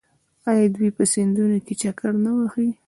آیا دوی په سیندونو کې چکر نه وهي؟